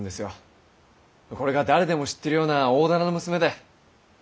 これが誰でも知ってるような大店の娘で。